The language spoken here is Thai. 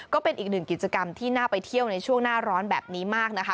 ก็เป็นอีกหนึ่งกิจกรรมที่น่าไปเที่ยวในช่วงหน้าร้อนแบบนี้มากนะคะ